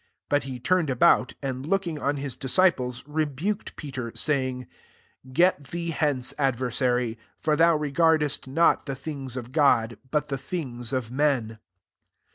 33 But he turned about, and looking on his disciples, rebuked Peter, saying, Get thee hence, adversary : for thou regard est not the things of God, but the things of men."